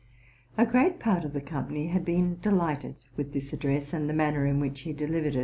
'' A great part of the company had been delighted with this address, and the manner in which he deliv ered.